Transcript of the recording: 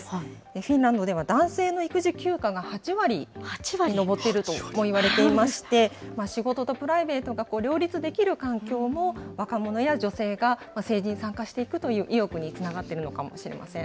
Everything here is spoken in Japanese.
フィンランドでは男性の育児休暇が８割に上っているともいわれていまして、仕事とプライベートが両立できる環境も、若者や女性が政治に参加していくという意欲につながっているのか